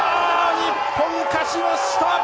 日本、勝ちました！